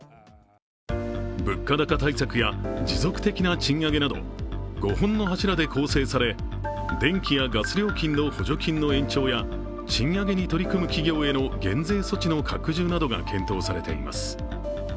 物価高対策や持続的な賃上げなど５本の柱で構成され電気やガス料金の補助金の延長や賃上げに取り組む企業への減税措置の拡充などが検討されています。